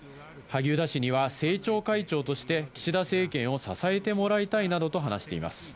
萩生田氏には政調会長として、岸田政権を支えてもらいたいなどと話しています。